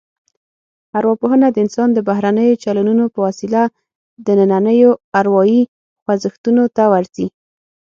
ارواپوهنه د انسان د بهرنیو چلنونو په وسیله دنننیو اروايي خوځښتونو ته ورځي